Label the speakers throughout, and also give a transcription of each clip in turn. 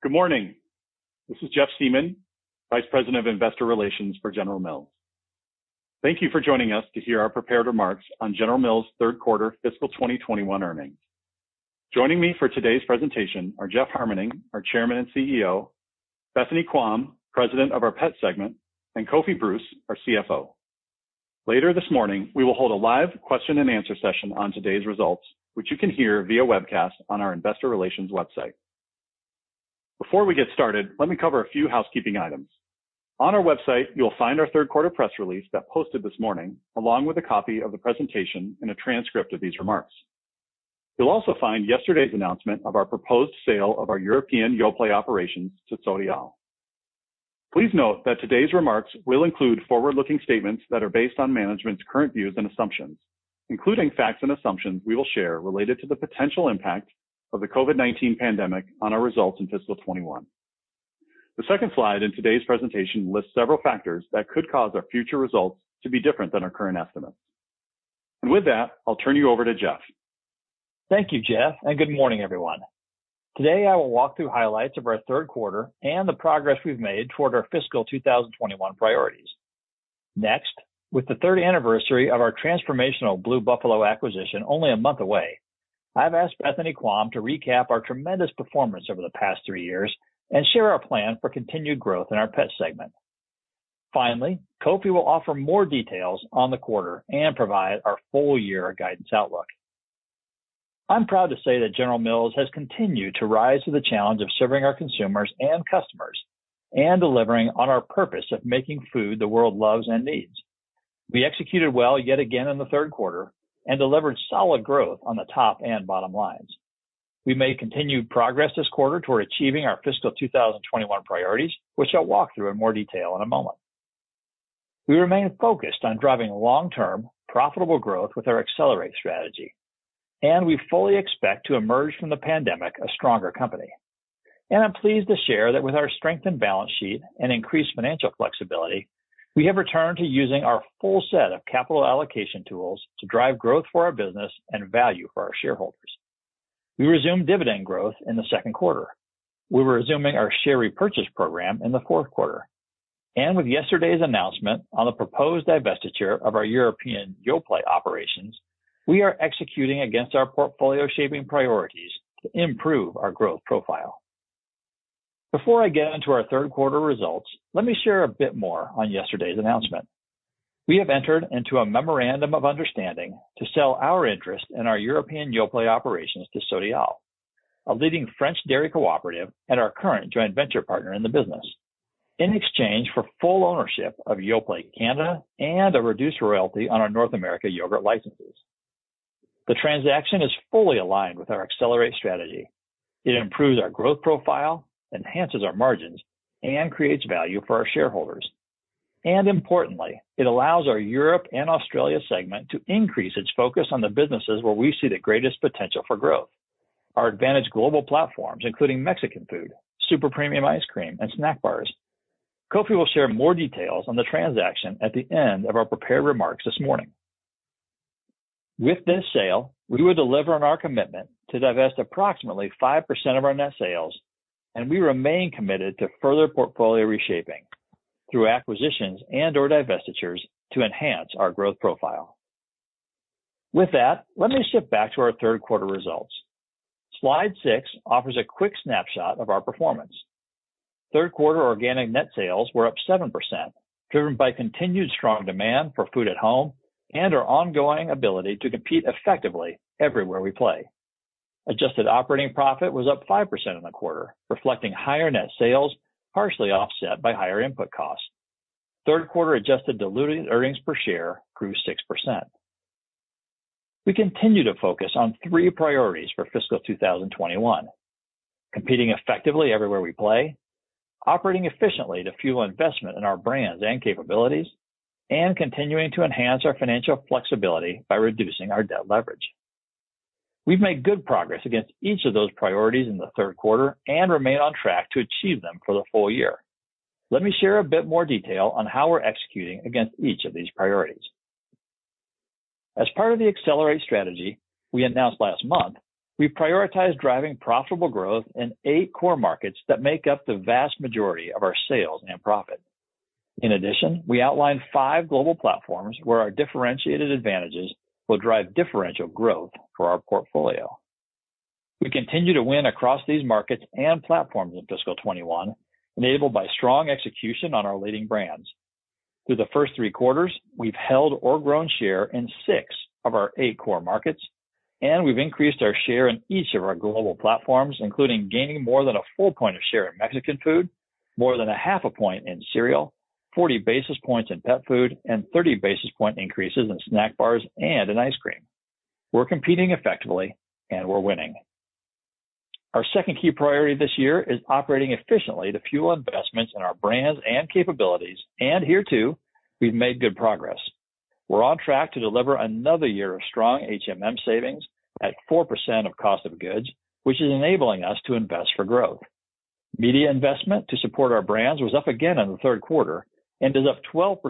Speaker 1: Good morning. This is Jeff Siemon, Vice President of Investor Relations for General Mills. Thank you for joining us to hear our prepared remarks on General Mills' Third Quarter Fiscal 2021 Earnings. Joining me for today's presentation are Jeff Harmening, our Chairman and CEO, Bethany Quam, President of our Pet Segment, and Kofi Bruce, our CFO. Later this morning, we will hold a live question and answer session on today's results, which you can hear via webcast on our investor relations website. Before we get started, let me cover a few housekeeping items. On our website, you'll find our third quarter press release that posted this morning, along with a copy of the presentation and a transcript of these remarks. You'll also find yesterday's announcement of our proposed sale of our European Yoplait operations to Sodiaal. Please note that today's remarks will include forward-looking statements that are based on management's current views and assumptions, including facts and assumptions we will share related to the potential impact of the COVID-19 pandemic on our results in fiscal 2021. The second slide in today's presentation lists several factors that could cause our future results to be different than our current estimates. With that, I'll turn you over to Jeff.
Speaker 2: Thank you, Jeff. Good morning, everyone. Today, I will walk through highlights of our third quarter and the progress we've made toward our fiscal 2021 priorities. Next, with the third anniversary of our transformational Blue Buffalo acquisition only a month away, I've asked Bethany Quam to recap our tremendous performance over the past three years and share our plan for continued growth in our Pet Segment. Finally, Kofi will offer more details on the quarter and provide our full year guidance outlook. I'm proud to say that General Mills has continued to rise to the challenge of serving our consumers and customers and delivering on our purpose of making food the world loves and needs. We executed well yet again in the third quarter and delivered solid growth on the top and bottom lines. We made continued progress this quarter toward achieving our fiscal 2021 priorities, which I'll walk through in more detail in a moment. We remain focused on driving long-term, profitable growth with our Accelerate strategy. We fully expect to emerge from the pandemic a stronger company. I'm pleased to share that with our strengthened balance sheet and increased financial flexibility, we have returned to using our full set of capital allocation tools to drive growth for our business and value for our shareholders. We resumed dividend growth in the second quarter. We're resuming our share repurchase program in the fourth quarter. With yesterday's announcement on the proposed divestiture of our European Yoplait operations, we are executing against our portfolio-shaping priorities to improve our growth profile. Before I get into our third quarter results, let me share a bit more on yesterday's announcement. We have entered into a memorandum of understanding to sell our interest in our European Yoplait operations to Sodiaal, a leading French dairy cooperative and our current joint venture partner in the business, in exchange for full ownership of Yoplait Canada and a reduced royalty on our North American yogurt licenses. The transaction is fully aligned with our Accelerate strategy. It improves our growth profile, enhances our margins, and creates value for our shareholders. Importantly, it allows our Europe and Australia segment to increase its focus on the businesses where we see the greatest potential for growth, our advantaged global platforms, including Mexican food, super-premium ice cream, and snack bars. Kofi will share more details on the transaction at the end of our prepared remarks this morning. With this sale, we will deliver on our commitment to divest approximately 5% of our net sales, and we remain committed to further portfolio reshaping through acquisitions and/or divestitures to enhance our growth profile. With that, let me shift back to our third quarter results. Slide six offers a quick snapshot of our performance. Third quarter organic net sales were up 7%, driven by continued strong demand for food at home and our ongoing ability to compete effectively everywhere we play. Adjusted operating profit was up 5% in the quarter, reflecting higher net sales, partially offset by higher input costs. Third quarter adjusted diluted earnings per share grew 6%. We continue to focus on three priorities for fiscal 2021: competing effectively everywhere we play, operating efficiently to fuel investment in our brands and capabilities, and continuing to enhance our financial flexibility by reducing our debt leverage. We've made good progress against each of those priorities in the third quarter and remain on track to achieve them for the full year. Let me share a bit more detail on how we're executing against each of these priorities. As part of the Accelerate strategy we announced last month, we prioritized driving profitable growth in eight core markets that make up the vast majority of our sales and profit. In addition, we outlined five global platforms where our differentiated advantages will drive differential growth for our portfolio. We continue to win across these markets and platforms in fiscal 2021, enabled by strong execution on our leading brands. Through the first three quarters, we've held or grown share in six of our eight core markets, and we've increased our share in each of our global platforms, including gaining more than a full point of share in Mexican food, more than a half a point in cereal, 40 basis points in pet food, and 30 basis point increases in snack bars and ice cream. We're competing effectively, and we're winning. Our second key priority this year is operating efficiently to fuel investments in our brands and capabilities, and here, too, we've made good progress. We're on track to deliver another year of strong HMM savings at 4% of cost of goods, which is enabling us to invest in growth. Media investment to support our brands was up again in the third quarter and is up 12%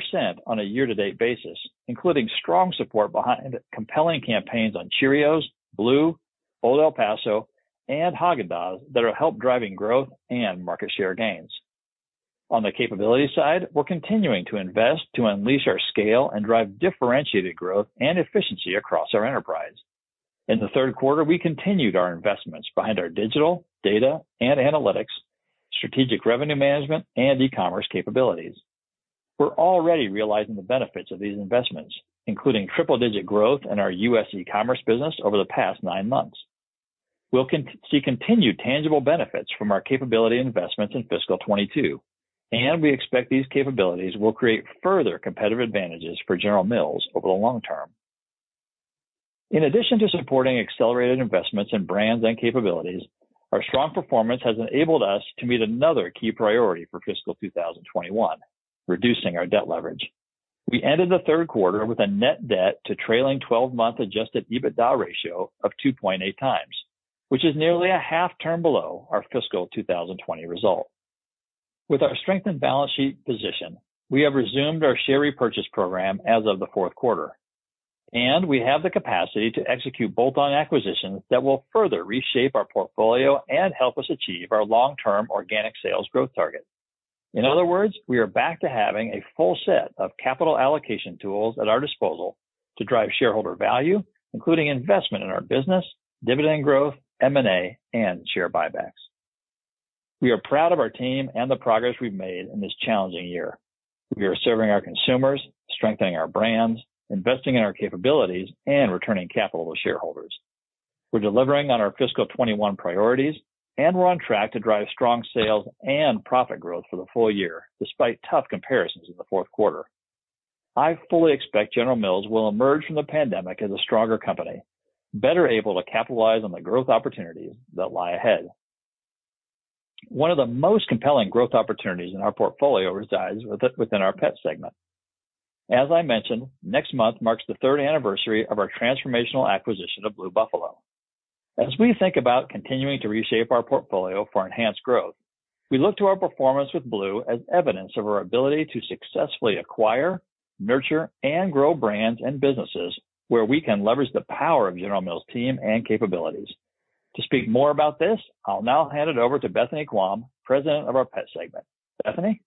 Speaker 2: on a year-to-date basis, including strong support behind compelling campaigns on Cheerios, Blue, Old El Paso, and Häagen-Dazs that are helping drive growth and market share gains. On the capability side, we're continuing to invest to unleash our scale and drive differentiated growth and efficiency across our enterprise. In the third quarter, we continued our investments in our digital, data, and analytics, strategic revenue management, and e-commerce capabilities. We're already realizing the benefits of these investments, including triple-digit growth in our U.S. e-commerce business over the past nine months. We'll see continued tangible benefits from our capability investments in fiscal 2022. We expect these capabilities will create further competitive advantages for General Mills over the long term. In addition to supporting accelerated investments in brands and capabilities, our strong performance has enabled us to meet another key priority for fiscal 2021, reducing our debt leverage. We ended the third quarter with a net debt to trailing 12-month adjusted EBITDA ratio of 2.8x, which is nearly a half turn below our fiscal 2020 result. With our strengthened balance sheet position, we have resumed our share repurchase program as of the fourth quarter. We have the capacity to execute bolt-on acquisitions that will further reshape our portfolio and help us achieve our long-term organic sales growth target. In other words, we are back to having a full set of capital allocation tools at our disposal to drive shareholder value, including investment in our business, dividend growth, M&A, and share buybacks. We are proud of our team and the progress we've made in this challenging year. We are serving our consumers, strengthening our brands, investing in our capabilities, and returning capital to shareholders. We're delivering on our fiscal 2021 priorities, and we're on track to drive strong sales and profit growth for the full year, despite tough comparisons in the fourth quarter. I fully expect General Mills will emerge from the pandemic as a stronger company, better able to capitalize on the growth opportunities that lie ahead. One of the most compelling growth opportunities in our portfolio resides within our Pet Segment. As I mentioned, next month marks the third anniversary of our transformational acquisition of Blue Buffalo. As we think about continuing to reshape our portfolio for enhanced growth, we look to our performance with Blue as evidence of our ability to successfully acquire, nurture, and grow brands and businesses where we can leverage the power of General Mills' team and capabilities. To speak more about this, I'll now hand it over to Bethany Quam, President of our Pet Segment. Bethany?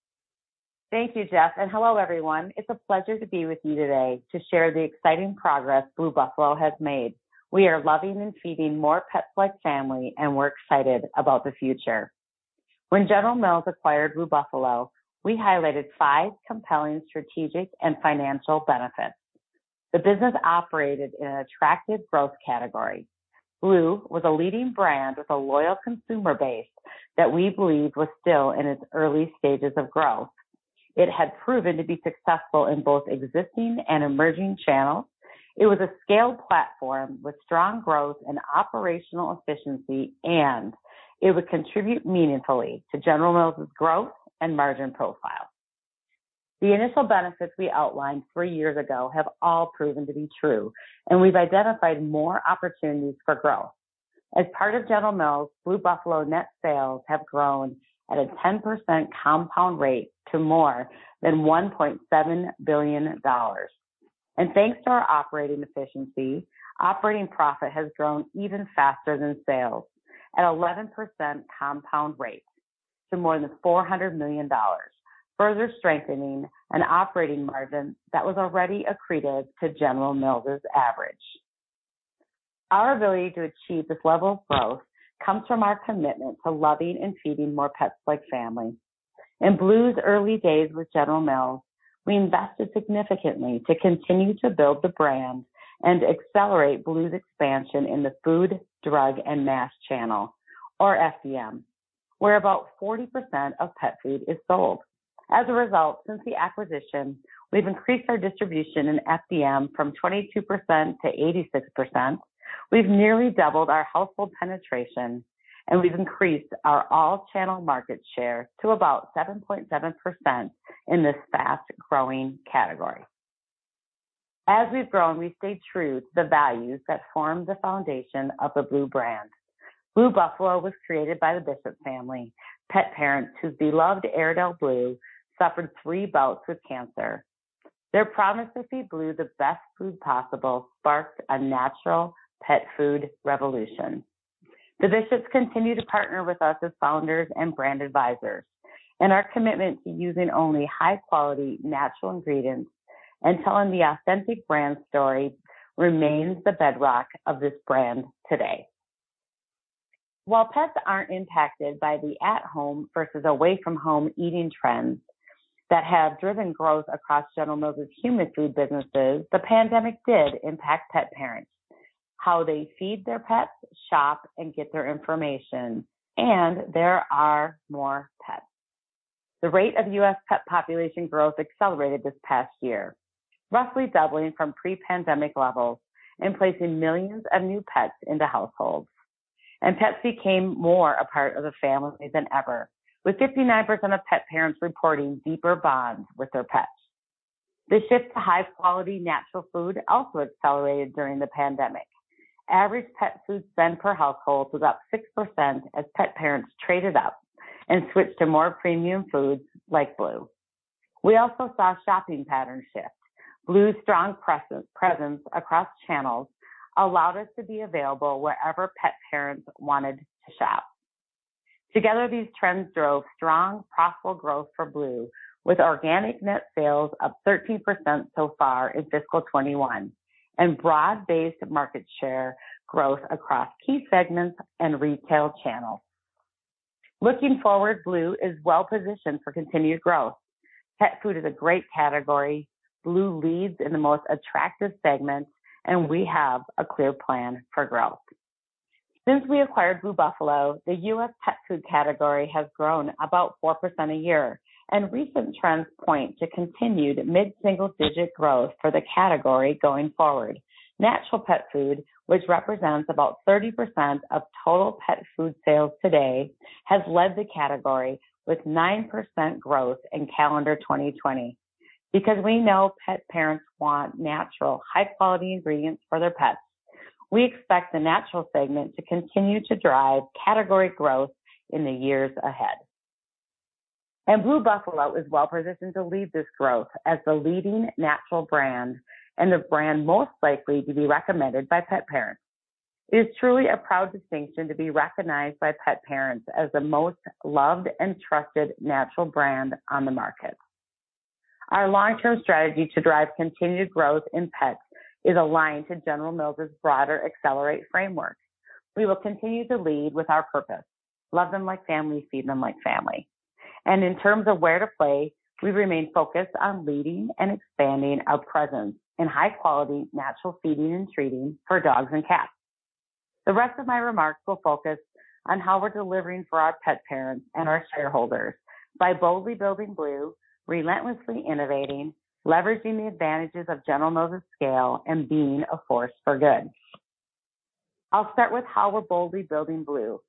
Speaker 3: Thank you, Jeff, and hello, everyone. It's a pleasure to be with you today to share the exciting progress Blue Buffalo has made. We are loving and feeding more pets like family, and we're excited about the future. When General Mills acquired Blue Buffalo, we highlighted five compelling strategic and financial benefits. The business operated in an attractive growth category. Blue was a leading brand with a loyal consumer base that we believed was still in its early stages of growth. It had proven to be successful in both existing and emerging channels. It was a scaled platform with strong growth and operational efficiency, and it would contribute meaningfully to General Mills' growth and margin profile. The initial benefits we outlined three years ago have all proven to be true, and we've identified more opportunities for growth. As part of General Mills, Blue Buffalo net sales have grown at a 10% compound rate to more than $1.7 billion. Thanks to our operating efficiency, operating profit has grown even faster than sales, at an 11% compound rate to more than $400 million, further strengthening an operating margin that was already accretive to General Mills' average. Our ability to achieve this level of growth comes from our commitment to loving and feeding more pets like family. In Blue's early days with General Mills, we invested significantly to continue to build the brand and accelerate Blue's expansion in the food, drug, and mass channel, or FDM, where about 40% of pet food is sold. As a result, since the acquisition, we've increased our distribution in FDM from 22%-86%. We've nearly doubled our household penetration, and we've increased our all-channel market share to about 7.7% in this fast-growing category. As we've grown, we've stayed true to the values that form the foundation of the Blue Buffalo brand. Blue Buffalo was created by the Bishop family, pet parents whose beloved Airedale, Blue, suffered three bouts with cancer. Their promise to feed Blue the best food possible sparked a natural pet food revolution. The Bishops continue to partner with us as founders and brand advisors, and our commitment to using only high-quality, natural ingredients and telling the authentic brand story remains the bedrock of this brand today. While pets aren't impacted by the at-home versus away-from-home eating trends that have driven growth across General Mills' human food businesses, the pandemic did impact pet parents, how they feed their pets, shop, and get their information, and there are more pets. The rate of U.S. pet population growth accelerated this past year, roughly doubling from pre-pandemic levels and placing millions of new pets into households. Pets became more a part of the family than ever, with 59% of pet parents reporting deeper bonds with their pets. The shift to high-quality natural food also accelerated during the pandemic. Average pet food spend per household was up 6% as pet parents traded up and switched to more premium foods like Blue. We also saw shopping patterns shift. Blue's strong presence across channels allowed us to be available wherever pet parents wanted to shop. Together, these trends drove strong, profitable growth for Blue, with organic net sales up 13% so far in fiscal 2021, and broad-based market share growth across key segments and retail channels. Looking forward, Blue is well-positioned for continued growth. Pet food is a great category. Blue leads in the most attractive segments. We have a clear plan for growth. Since we acquired Blue Buffalo, the U.S. pet food category has grown about 4% a year. Recent trends point to continued mid-single-digit growth for the category going forward. Natural pet food, which represents about 30% of total pet food sales today, has led the category with 9% growth in calendar 2020. Because we know pet parents want natural, high-quality ingredients for their pets, we expect the natural segment to continue to drive category growth in the years ahead. Blue Buffalo is well-positioned to lead this growth as the leading natural brand and the brand most likely to be recommended by pet parents. It is truly a proud distinction to be recognized by pet parents as the most loved and trusted natural brand on the market. Our long-term strategy to drive continued growth in pets is aligned to General Mills' broader Accelerate framework. We will continue to lead with our purpose, Love them like family, feed them like family. In terms of where to play, we remain focused on leading and expanding our presence in high-quality natural feeding and treating for dogs and cats. The rest of my remarks will focus on how we're delivering for our pet parents and our shareholders by boldly building Blue, relentlessly innovating, leveraging the advantages of General Mills' scale, and being a force for good. I'll start with how we're boldly building Blue.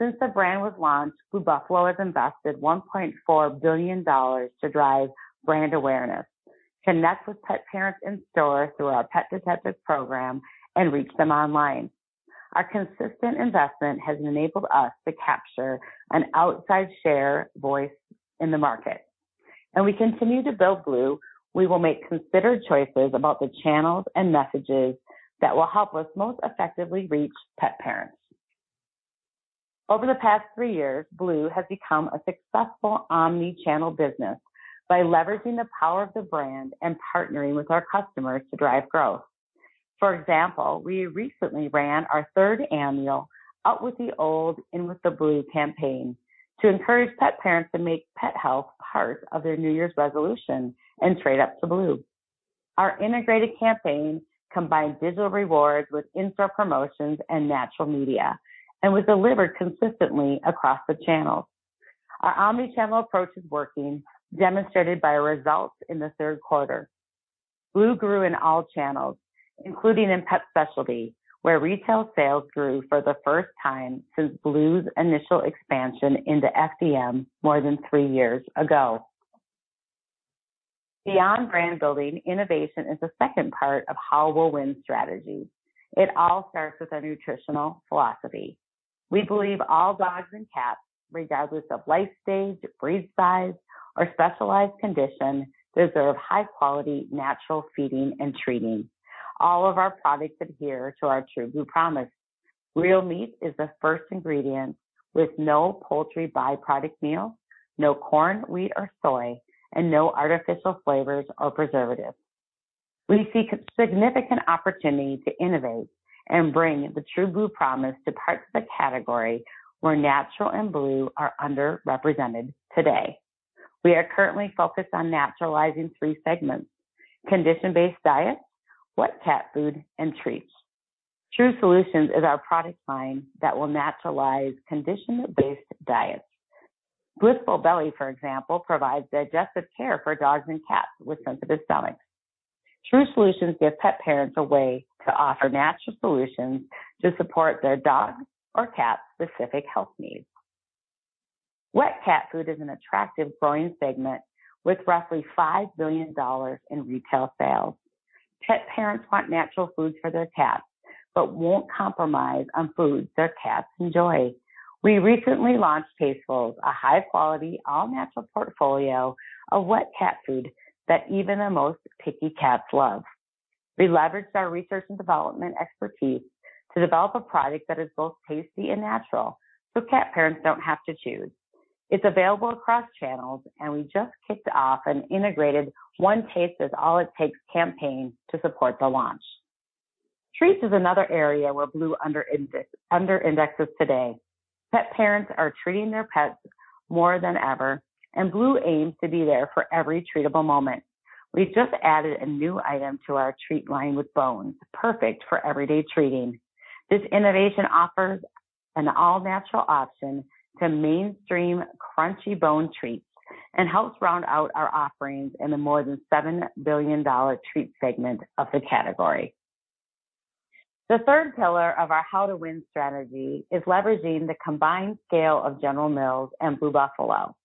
Speaker 3: Since the brand was launched, Blue Buffalo has invested $1.4 billion to drive brand awareness, connect with pet parents in store through our Pet Detective Program, and reach them online. Our consistent investment has enabled us to capture an outsized share of voice in the market. As we continue to build Blue, we will make considered choices about the channels and messages that will help us most effectively reach pet parents. Over the past three years, Blue has become a successful omni-channel business by leveraging the power of the brand and partnering with our customers to drive growth. For example, we recently ran our third annual Out with the Old, In with the Blue campaign to encourage pet parents to make pet health part of their New Year's resolution and trade up to Blue. Our integrated campaign combined digital rewards with in-store promotions and natural media and was delivered consistently across the channels. Our omni-channel approach is working, demonstrated by results in the third quarter. Blue grew in all channels, including in pet specialty, where retail sales grew for the first time since Blue's initial expansion into FDM more than three years ago. Beyond brand building, innovation is the second part of how we'll win strategy. It all starts with our nutritional philosophy. We believe all dogs and cats, regardless of life stage, breed size, or specialized condition, deserve high-quality natural feeding and treating. All of our products adhere to our True BLUE Promise. Real meat is the first ingredient, with no poultry by-product meal, no corn, wheat or soy, and no artificial flavors or preservatives. We see significant opportunity to innovate and bring the True BLUE Promise to parts of the category where natural and Blue are underrepresented today. We are currently focused on naturalizing three segments, condition-based diets, wet pet food, and treats. True Solutions is our product line that will naturalize condition-based diets. Blissful Belly, for example, provides digestive care for dogs and cats with sensitive stomachs. True Solutions gives pet parents a way to offer natural solutions to support their dog's or cat's specific health needs. Wet cat food is an attractive growing segment with roughly $5 billion in retail sales. Pet parents want natural foods for their cats but won't compromise on food their cats enjoy. We recently launched Tastefuls, a high-quality, all-natural portfolio of wet cat food that even the most picky cats love. We leveraged our research and development expertise to develop a product that is both tasty and natural, so cat parents don't have to choose. It's available across channels, and we just kicked off an integrated One Taste is All It Takes campaign to support the launch. Treats are another area where Blue underindexes today. Pet parents are treating their pets more than ever, and Blue aims to be there for every treatable moment. We've just added a new item to our treat line with BLUE Bones, perfect for everyday treating. This innovation offers an all-natural option to mainstream crunchy bone treats and helps round out our offerings in the more than $7 billion treat segment of the category. The third pillar of our how to win strategy is leveraging the combined scale of General Mills and Blue Buffalo.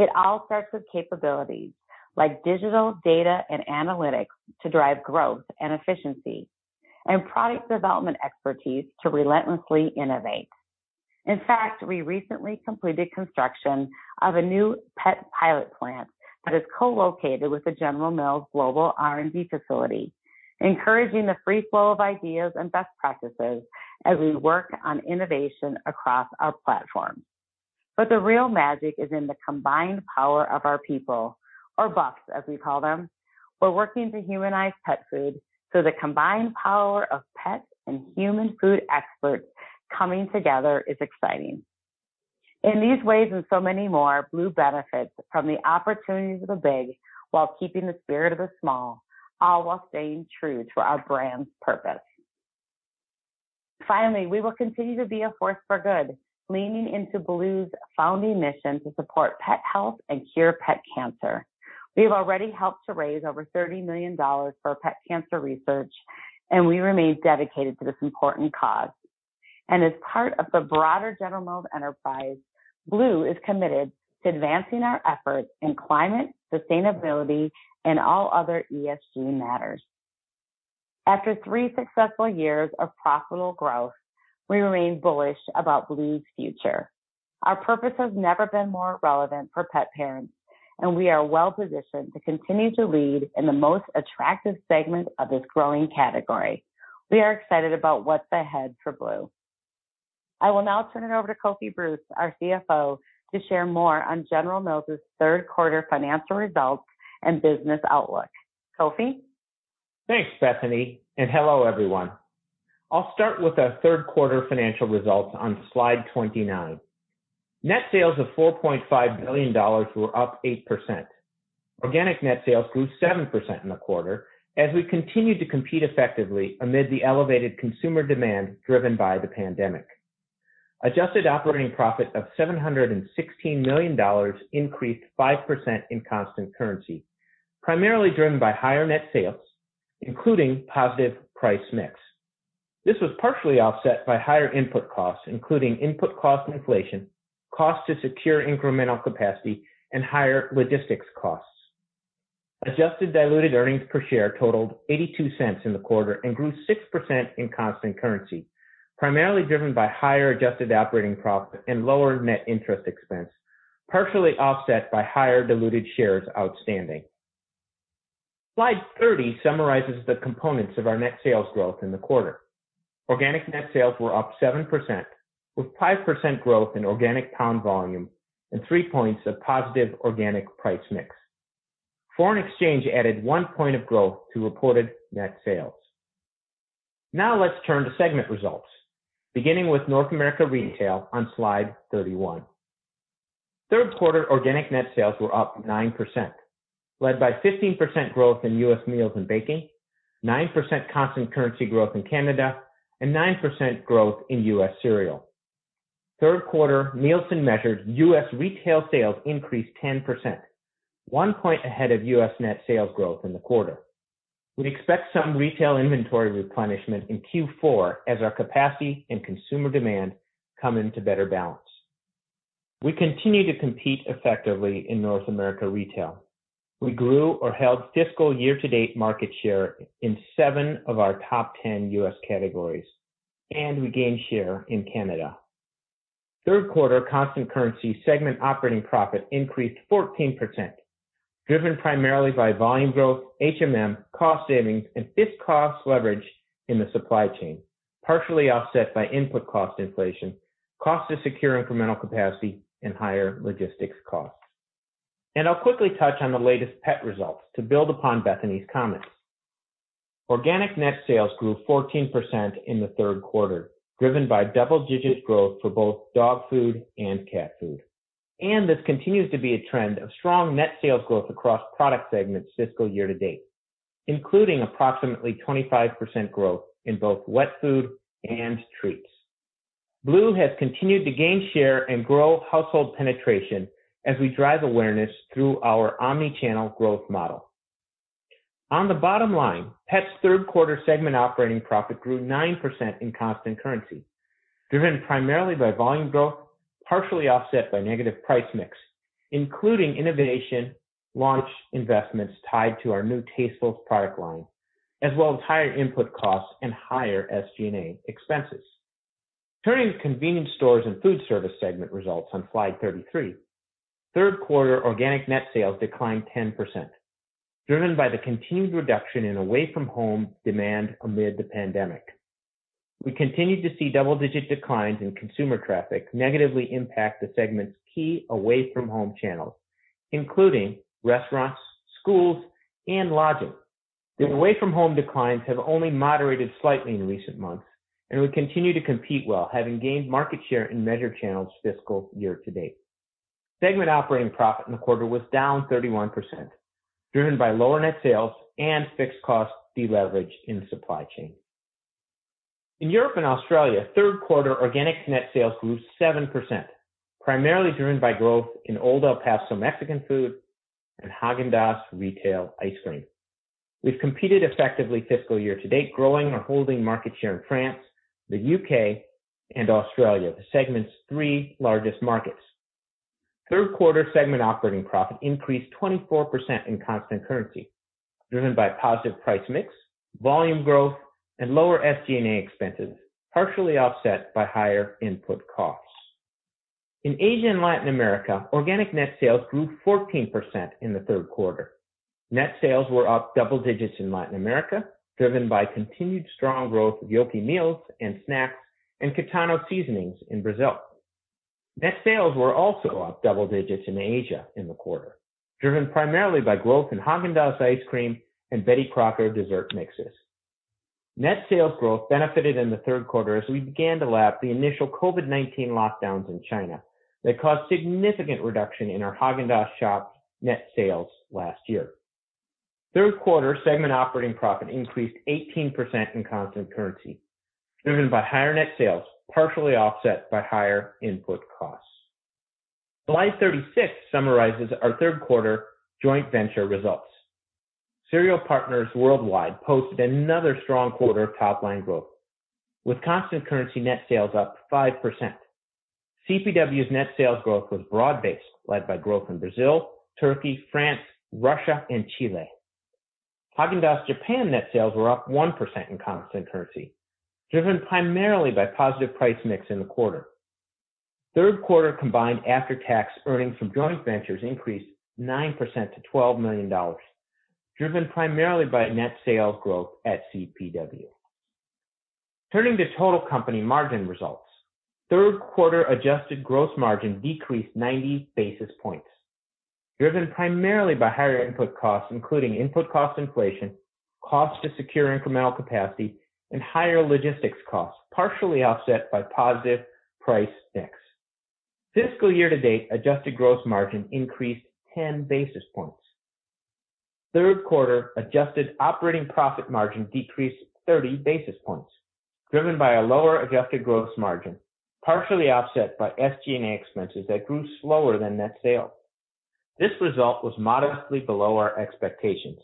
Speaker 3: It all starts with capabilities like digital data and analytics to drive growth and efficiency and product development expertise to relentlessly innovate. In fact, we recently completed construction of a new pet pilot plant that is co-located with the General Mills global R&D facility, encouraging the free flow of ideas and best practices as we work on innovation across our platform. The real magic is in the combined power of our people, our buffs, as we call them. We're working to humanize pet food, the combined power of pet and human food experts coming together is exciting. In these ways and so many more, Blue benefits from the opportunities of the big while keeping the spirit of the small, all while staying true to our brand's purpose. Finally, we will continue to be a force for good, leaning into Blue's founding mission to support pet health and cure pet cancer. We've already helped to raise over $30 million for pet cancer research, and we remain dedicated to this important cause. As part of the broader General Mills enterprise, Blue is committed to advancing our efforts in climate, sustainability, and all other ESG matters. After three successful years of profitable growth, we remain bullish about Blue's future. Our purpose has never been more relevant for pet parents, and we are well-positioned to continue to lead in the most attractive segment of this growing category. We are excited about what's ahead for Blue. I will now turn it over to Kofi Bruce, our CFO, to share more on General Mills' third quarter financial results and business outlook. Kofi?
Speaker 4: Thanks, Bethany, and hello, everyone. I'll start with our third quarter financial results on slide 29. Net sales of $4.5 billion were up 8%. Organic net sales grew 7% in the quarter as we continued to compete effectively amid the elevated consumer demand driven by the pandemic. Adjusted operating profit of $716 million increased 5% in constant currency, primarily driven by higher net sales, including positive price mix. This was partially offset by higher input costs, including input cost inflation, the cost to secure incremental capacity, and higher logistics costs. Adjusted diluted earnings per share totaled $0.82 in the quarter and grew 6% in constant currency, primarily driven by higher adjusted operating profit and lower net interest expense, partially offset by higher diluted shares outstanding. Slide 30 summarizes the components of our net sales growth in the quarter. Organic net sales were up 7%, with 5% growth in organic pound volume and three points of positive organic price mix. Foreign exchange added one point of growth to reported net sales. Let's turn to segment results, beginning with North America Retail on Slide 31. Third quarter organic net sales were up 9%, led by 15% growth in U.S. meals and baking, 9% constant currency growth in Canada, and 9% growth in U.S. cereal. Third quarter Nielsen-measured U.S. retail sales increased 10%, one point ahead of U.S. net sales growth in the quarter. We expect some retail inventory replenishment in Q4 as our capacity and consumer demand come into better balance. We continue to compete effectively in North America Retail. We grew or held fiscal year-to-date market share in seven of our top 10 U.S. categories, and we gained share in Canada. Third quarter constant currency segment operating profit increased 14%, driven primarily by volume growth, HMM, cost savings, and fixed cost leverage in the supply chain, partially offset by input cost inflation, costs to secure incremental capacity, and higher logistics costs. I'll quickly touch on the latest pet results to build upon Bethany's comments. Organic net sales grew 14% in the third quarter, driven by double-digit growth for both dog food and cat food. This continues to be a trend of strong net sales growth across product segments fiscal year-to-date, including approximately 25% growth in both wet food and treats. Blue has continued to gain share and grow household penetration as we drive awareness through our omni-channel growth model. On the bottom line, Pet’s third-quarter segment operating profit grew 9% in constant currency, driven primarily by volume growth, partially offset by negative price mix, including innovation and launch investments tied to our new Tastefuls product line, as well as higher input costs and higher SG&A expenses. Turning to Convenience Stores and Foodservice segment results on Slide 33, third-quarter organic net sales declined 10%, driven by the continued reduction in away-from-home demand amid the pandemic. We continued to see double-digit declines in consumer traffic negatively impact the segment’s key away-from-home channels, including restaurants, schools, and lodging. The away-from-home declines have only moderated slightly in recent months, we continue to compete well, having gained market share in measured channels fiscal year-to-date. Segment operating profit in the quarter was down 31%, driven by lower net sales and fixed cost deleverage in the supply chain. In Europe and Australia, third quarter organic net sales grew 7%, primarily driven by growth in Old El Paso Mexican food and Häagen-Dazs retail ice cream. We've competed effectively fiscal year-to-date, growing or holding market share in France, the U.K., and Australia, the segment's three largest markets. Third quarter segment operating profit increased 24% in constant currency, driven by positive price mix, volume growth, and lower SG&A expenses, partially offset by higher input costs. In Asia and Latin America, organic net sales grew 14% in the third quarter. Net sales were up double-digits in Latin America, driven by continued strong growth of Yoki meals and snacks and Kitano seasonings in Brazil. Net sales were also up double digits in Asia in the quarter, driven primarily by growth in Häagen-Dazs ice cream and Betty Crocker dessert mixes. Net sales growth benefited in the third quarter as we began to lap the initial COVID-19 lockdowns in China that caused significant reduction in our Häagen-Dazs shops' net sales last year. Third quarter segment operating profit increased 18% in constant currency, driven by higher net sales, partially offset by higher input costs. Slide 36 summarizes our third quarter joint venture results. Cereal Partners Worldwide posted another strong quarter of top-line growth, with constant currency net sales up 5%. CPW's net sales growth was broad-based, led by growth in Brazil, Turkey, France, Russia, and Chile. Häagen-Dazs Japan's net sales were up 1% in constant currency, driven primarily by a positive price mix in the quarter. Third quarter combined after-tax earnings from joint ventures increased 9% to $12 million, driven primarily by net sales growth at CPW. Turning to total company margin results. Third quarter adjusted gross margin decreased 90 basis points, driven primarily by higher input costs, including input cost inflation, cost to secure incremental capacity, and higher logistics costs, partially offset by a positive price mix. Fiscal year-to-date, adjusted gross margin increased 10 basis points. Third quarter adjusted operating profit margin decreased 30 basis points, driven by a lower adjusted gross margin, partially offset by SG&A expenses that grew slower than net sales. This result was modestly below our expectations,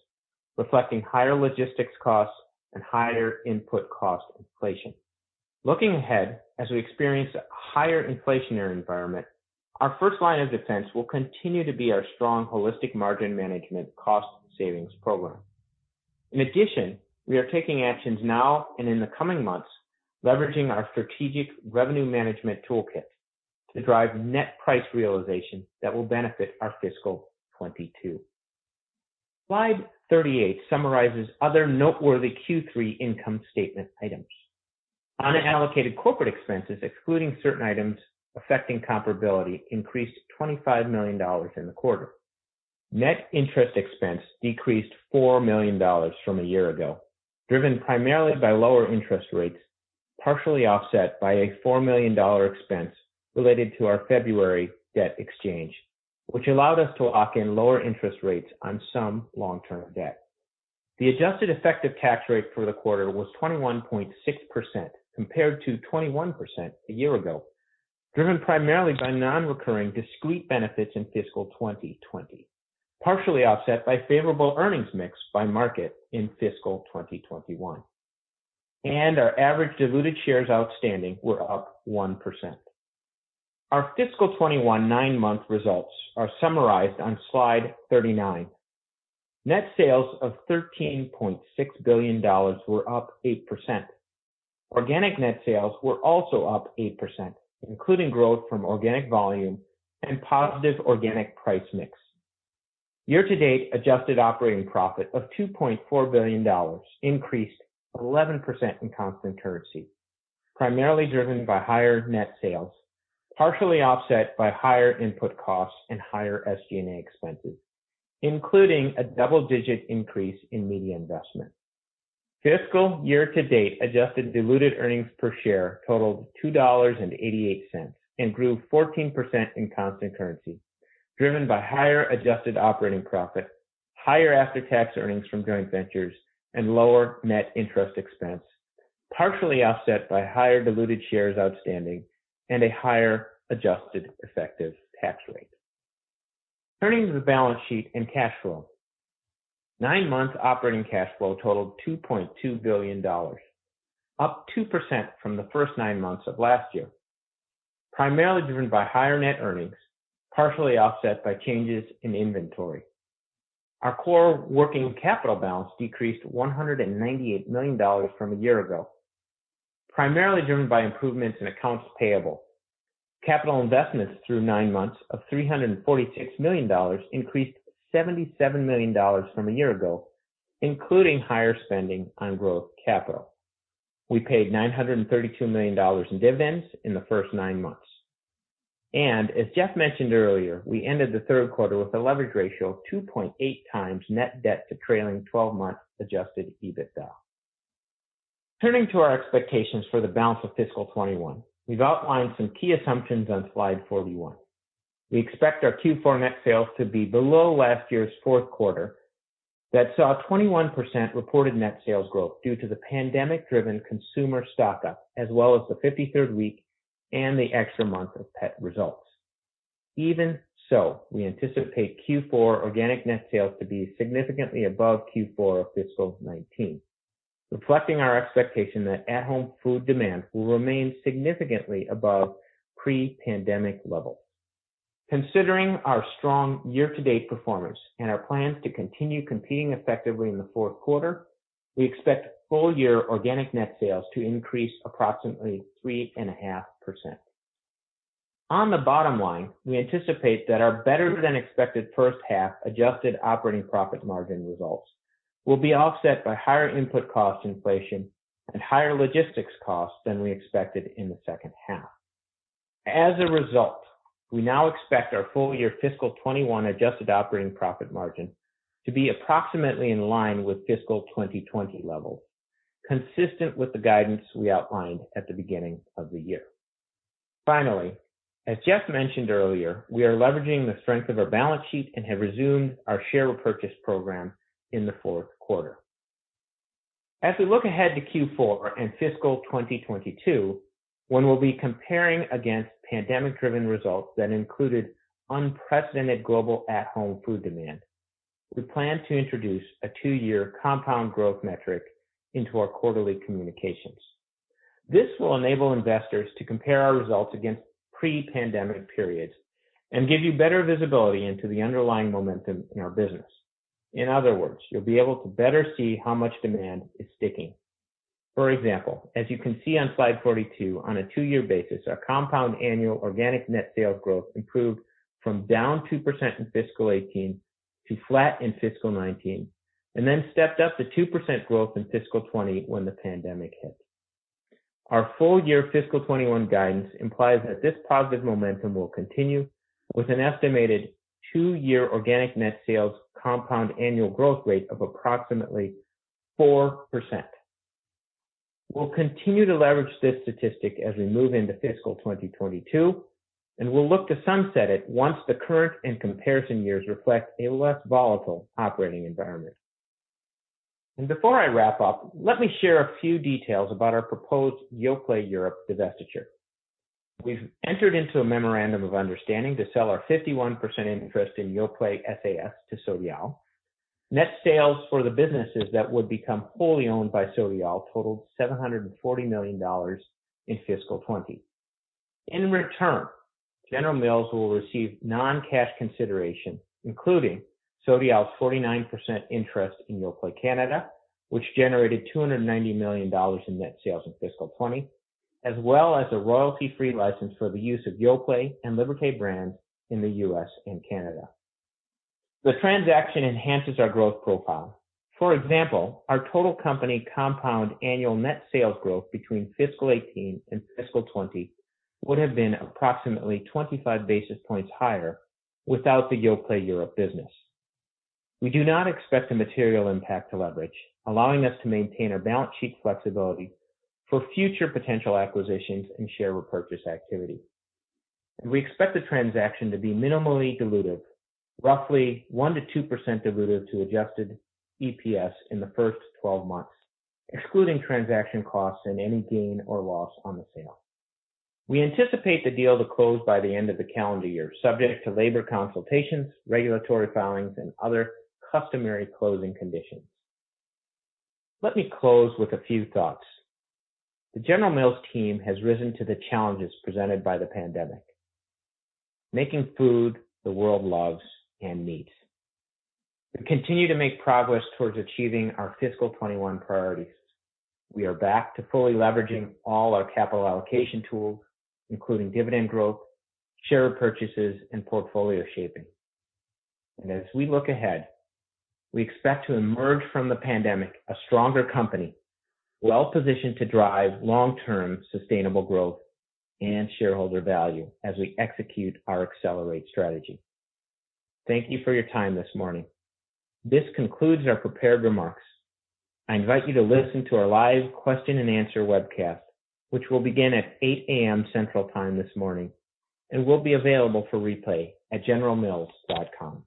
Speaker 4: reflecting higher logistics costs and higher input cost inflation. Looking ahead, as we experience a higher inflationary environment, our first line of defense will continue to be our strong Holistic Margin Management cost savings program. In addition, we are taking actions now and in the coming months, leveraging our strategic revenue management toolkit to drive net price realization that will benefit our fiscal 2022. Slide 38 summarizes other noteworthy Q3 income statement items. Unallocated corporate expenses, excluding certain items affecting comparability, increased $25 million in the quarter. Net interest expense decreased $4 million from a year ago, driven primarily by lower interest rates, partially offset by a $4 million expense related to our February debt exchange, which allowed us to lock in lower interest rates on some long-term debt. The adjusted effective tax rate for the quarter was 21.6% compared to 21% a year ago, driven primarily by nonrecurring discrete benefits in fiscal 2020, partially offset by a favorable earnings mix by market in fiscal 2021. Our average diluted shares outstanding were up 1%. Our fiscal 2021 nine-month results are summarized on slide 39. Net sales of $13.6 billion were up 8%. Organic net sales were also up 8%, including growth from organic volume and positive organic price mix. Year-to-date adjusted operating profit of $2.4 billion increased 11% in constant currency, primarily driven by higher net sales, partially offset by higher input costs and higher SG&A expenses, including a double-digit increase in media investment. Fiscal year-to-date adjusted diluted earnings per share totaled $2.88 and grew 14% in constant currency, driven by higher adjusted operating profit, higher after-tax earnings from joint ventures, and lower net interest expense, partially offset by higher diluted shares outstanding and a higher adjusted effective tax rate. Turning to the balance sheet and cash flow. Nine-month operating cash flow totaled $2.2 billion, up 2% from the first nine months of last year, primarily driven by higher net earnings, partially offset by changes in inventory. Our core working capital balance decreased $198 million from a year ago, primarily driven by improvements in accounts payable. Capital investments through nine months of $346 million increased $77 million from a year ago, including higher spending on growth capital. We paid $932 million in dividends in the first nine months. As Jeff mentioned earlier, we ended the third quarter with a leverage ratio of 2.8x net debt to trailing 12-month adjusted EBITDA. Turning to our expectations for the balance of fiscal 2021. We've outlined some key assumptions on slide 41. We expect our Q4 net sales to be below last year's fourth quarter, which saw 21% reported net sales growth due to the pandemic-driven consumer stock-up, as well as the 53rd week and the extra month of pet-related results. Even so, we anticipate Q4 organic net sales to be significantly above Q4 of fiscal 2019, reflecting our expectation that at-home food demand will remain significantly above pre-pandemic levels. Considering our strong year-to-date performance and our plans to continue competing effectively in the fourth quarter, we expect full-year organic net sales to increase approximately 3.5%. On the bottom line, we anticipate that our better-than-expected first-half adjusted operating profit margin results will be offset by higher input cost inflation and higher logistics costs than we expected in the second half. As a result, we now expect our full-year fiscal 2021 adjusted operating profit margin to be approximately in line with fiscal 2020 levels, consistent with the guidance we outlined at the beginning of the year. Finally, as Jeff mentioned earlier, we are leveraging the strength of our balance sheet and have resumed our share repurchase program in the fourth quarter. As we look ahead to Q4 and fiscal 2022, when we'll be comparing against pandemic-driven results that included unprecedented global at-home food demand, we plan to introduce a two-year compound growth metric into our quarterly communications. This will enable investors to compare our results against pre-pandemic periods and give you better visibility into the underlying momentum in our business. In other words, you'll be able to better see how much demand is sticking. For example, as you can see on slide 42, on a two-year basis, our compound annual organic net sales growth improved from down 2% in fiscal 2018 to flat in fiscal 2019, and then stepped up to 2% growth in fiscal 2020 when the pandemic hit. Our full-year fiscal 2021 guidance implies that this positive momentum will continue with an estimated two-year organic net sales compound annual growth rate of approximately 4%. We'll continue to leverage this statistic as we move into fiscal 2022. We'll look to sunset it once the current and comparison years reflect a less volatile operating environment. Before I wrap up, let me share a few details about our proposed Yoplait Europe divestiture. We've entered into a memorandum of understanding to sell our 51% interest in Yoplait S.A.S. to Sodiaal. Net sales for the businesses that would become wholly owned by Sodiaal totaled $740 million in fiscal 2020. In return, General Mills will receive non-cash consideration, including Sodiaal's 49% interest in Yoplait Canada, which generated $290 million in net sales in fiscal 2020, as well as a royalty-free license for the use of Yoplait and Liberté brands in the U.S. and Canada. The transaction enhances our growth profile. For example, our total company compound annual net sales growth between fiscal 2018 and fiscal 2020 would have been approximately 25 basis points higher without the Yoplait Europe business. We do not expect a material impact on leverage, allowing us to maintain our balance sheet flexibility for future potential acquisitions and share repurchase activity. We expect the transaction to be minimally dilutive, roughly 1%-2% dilutive to adjusted EPS in the first 12 months, excluding transaction costs and any gain or loss on the sale. We anticipate the deal to close by the end of the calendar year, subject to labor consultations, regulatory filings, and other customary closing conditions. Let me close with a few thoughts. The General Mills team has risen to the challenges presented by the pandemic, making food the world loves and needs. We continue to make progress towards achieving our fiscal 2021 priorities. We are back to fully leveraging all our capital allocation tools, including dividend growth, share purchases, and portfolio shaping. As we look ahead, we expect to emerge from the pandemic a stronger company, well-positioned to drive long-term sustainable growth and shareholder value as we execute our Accelerate strategy. Thank you for your time this morning. This concludes our prepared remarks. I invite you to listen to our live question-and-answer webcast, which will begin at 8:00A.M. Central Time this morning and will be available for replay at generalmills.com.